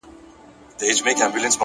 هوډ د شکونو دروازه تړي.!